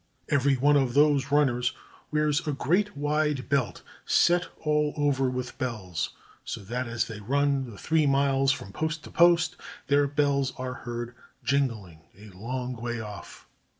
Every one of those runners wears a great wide belt, set all over with bells, so that as they run the three miles from post to post their bells are heard jingling a long way off.